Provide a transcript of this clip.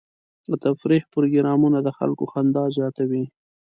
د تفریح پروګرامونه د خلکو خندا زیاتوي.